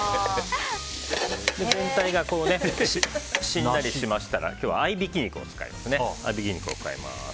全体がしんなりしましたら今日は合いびき肉を加えます。